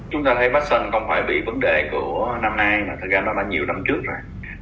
chúng ta thấy paxson không phải bị vấn đề của năm nay mà thật ra nó là nhiều năm trước rồi